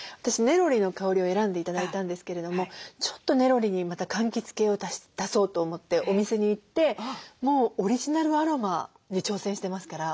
ネロリの香りを選んで頂いたんですけれどもちょっとネロリにまたかんきつ系を足そうと思ってお店に行ってもうオリジナルアロマに挑戦してますから。